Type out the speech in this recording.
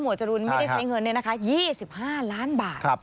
หมวดจรูนไม่ได้ใช้เงินเลยนะคะ๒๕ล้านบาท